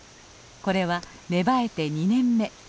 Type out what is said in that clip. これは芽生えて２年目。